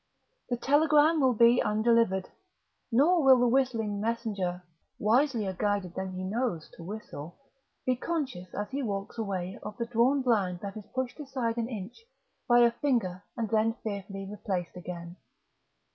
The telegram will be undelivered, nor will the whistling messenger (wiselier guided than he knows to whistle) be conscious as he walks away of the drawn blind that is pushed aside an inch by a finger and then fearfully replaced again.